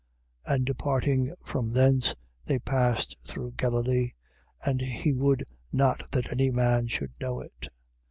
9:29. And departing from thence, they passed through Galilee: and he would not that any man should know it.